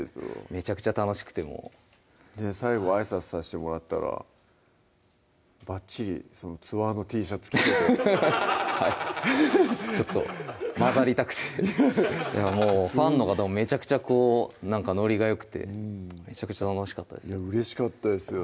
めちゃくちゃ楽しくてもう最後あいさつさせてもらったらバッチリツアーのＴシャツ着ててちょっと交ざりたくてもうファンの方もめちゃくちゃこうノリがよくてめちゃくちゃ楽しかったですよ